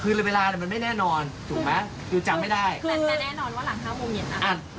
คือเวลามันไม่แน่นอนถูกไหมคือจำไม่ได้แต่แน่นอนว่าหลังห้าโมงเย็นอ่ะ